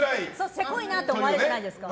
せこいなって思われるじゃないですか。